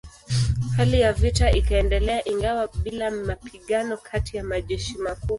Hali ya vita ikaendelea ingawa bila mapigano kati ya majeshi makubwa.